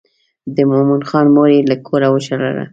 د مومن خان مور یې له کوره وشړله.